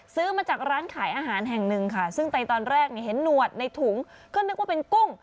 ซื้อมาจากร้านขายอาหารแห่งหนึ่งค่ะซึ่งในตอนแรกเห็นหนวดในถุงก็นึกว่าเป็นกุ้ง